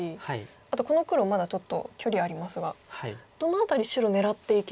あとこの黒まだちょっと距離ありますがどの辺り白狙っていけばいいんですかね。